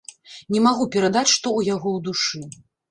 Не магу перадаць, што ў яго ў душы.